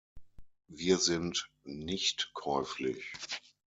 Wir sind nicht käuflich.